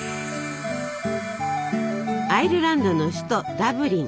アイルランドの首都ダブリン。